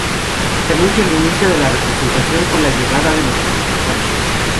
Se anuncia el inicio de la representación con la llegada de los participantes.